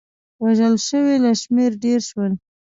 وژل شوي له شمېر ډېر شول.